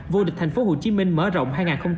vô địch tp hcm mở rộng hai nghìn một mươi chín